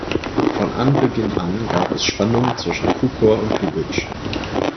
Von Anbeginn an gab es Spannungen zwischen Cukor und Lubitsch.